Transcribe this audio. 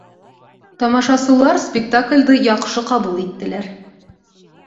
Тамашасылар спектаклде яҡшы ҡабул иттеләр